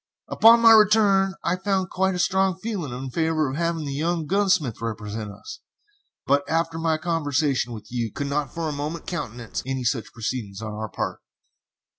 Upon my return I found quite a strong feeling in favor of having the young gunsmith represent us, but, after my conversation with you, could not for a moment countenance any such proceedings on our part."